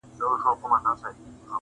• زه په تنهايي کي لاهم سور یمه..